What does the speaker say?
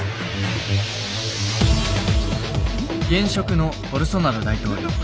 現職のボルソナロ大統領。